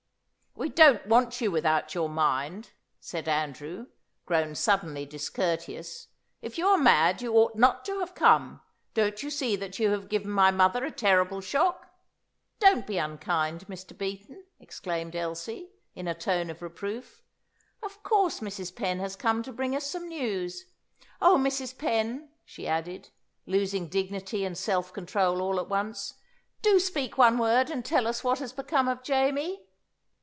"We don't want you without your mind," said Andrew, grown suddenly discourteous. "If you are mad you ought not to have come. Don't you see that you have given my mother a terrible shock?" "Don't be unkind, Mr. Beaton!" exclaimed Elsie, in a tone of reproof. "Of course Mrs. Penn has come to bring us some news. Oh, Mrs. Penn," she added, losing dignity and self control all at once, "do speak one word and tell us what has become of Jamie!"